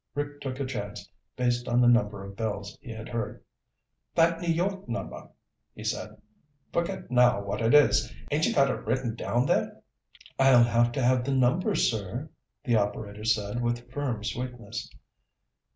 Rick took a chance, based on the number of bells he had heard. "That New York number," he said. "Forget now what it is. Ain't you got it written down there?" "I'll have to have the number, sir," the operator said with firm sweetness.